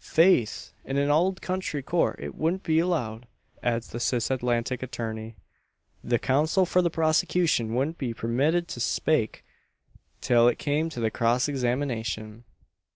"Faith! in an Owld Country court it wouldn't be allowed," adds the Cis Atlantic attorney. "The counsel for the prosecution wouldn't be permitted to spake, till it came to the cross examination."